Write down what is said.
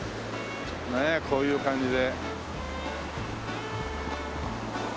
ねえこういう感じで。